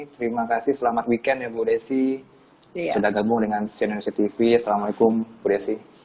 terima kasih selamat weekend ya bu desi sudah gabung dengan cnn indonesia tv assalamualaikum bu desi